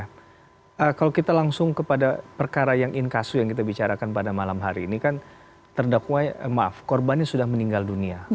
nah kalau kita langsung kepada perkara yang incusu yang kita bicarakan pada malam hari ini kan terdakwa maaf korbannya sudah meninggal dunia